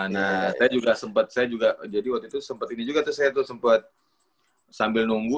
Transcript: nah saya juga sempat saya juga jadi waktu itu sempat ini juga tuh saya tuh sempat sambil nunggu